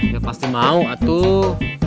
ya pasti mau atuh